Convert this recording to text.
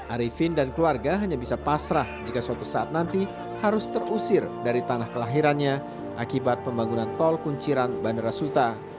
arifin dan keluarga hanya bisa pasrah jika suatu saat nanti harus terusir dari tanah kelahirannya akibat pembangunan tol kunciran bandara suta